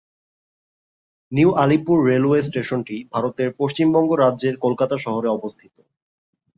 New Alipur railway স্টেশনটি ভারতের পশ্চিমবঙ্গ রাজ্যের কলকাতা শহরে অবস্থিত।